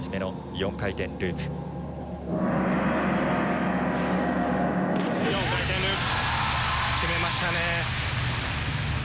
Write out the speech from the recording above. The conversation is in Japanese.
４回転ループ決めましたね。